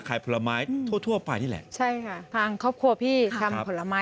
ขายผลไม้ทั่วไปนี่แหละ